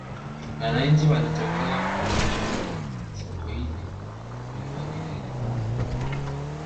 wananchi walitokea kumuamini sokoine kuliko nyerere